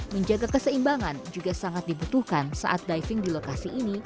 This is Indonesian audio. menjaga keseimbangan juga sangat dibutuhkan saat diving di lokasi ini